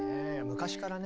昔からね